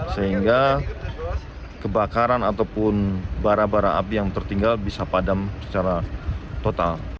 sehingga kebakaran ataupun bara bara api yang tertinggal bisa padam secara total